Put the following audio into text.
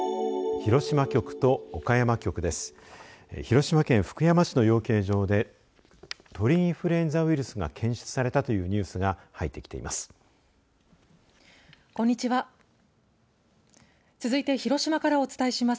広島県福山市の養鶏場で鳥インフルエンザウイルスが検出されたというニュースが入ってきています。